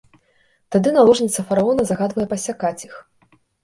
Тады наложніца фараона загадвае пассякаць іх.